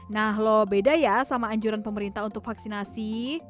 nah loh beda ya sama anjuran pemerintah untuk vaksinasi